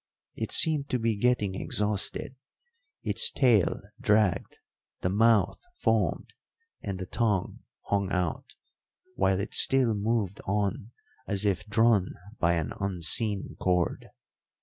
It seemed to be getting exhausted, its tail dragged, the mouth foamed, and the tongue hung out, while it still moved on as if drawn by an unseen cord.